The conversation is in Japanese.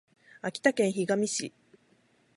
秋田県潟上市